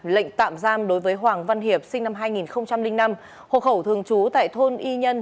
lệnh tạm giam đối với hoàng văn hiệp sinh năm hai nghìn năm hộ khẩu thường trú tại thôn y nhân